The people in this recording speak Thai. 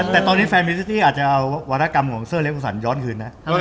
แต่ตอนนี้แฟนมิซิตี้อาจจะเอาวารกรรมของเซอร์เล็กอุสันย้อนคืนนะ